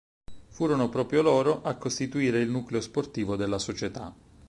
Furono proprio loro a costituire il nucleo sportivo della società.